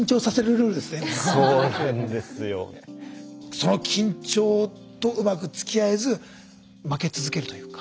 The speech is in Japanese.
その緊張とうまくつきあえず負け続けるというか。